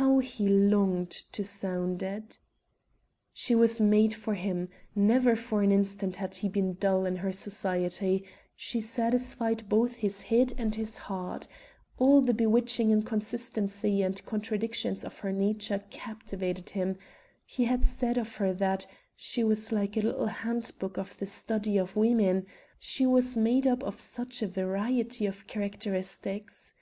How he longed to sound it. She was made for him; never for an instant had he been dull in her society; she satisfied both his head and his heart; all the bewitching inconsistency and contradictions of her nature captivated him; he had said of her that "she was like a little handbook to the study of women," she was made up of such a variety of characteristics.